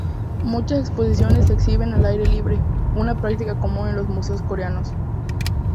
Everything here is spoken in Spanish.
Muchas exposiciones se exhiben al aire libre, una práctica común en los museos Coreanos.